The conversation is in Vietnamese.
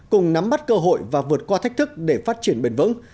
cùng nắm bắt cơ hội và vượt qua thách thức để phát triển bền vững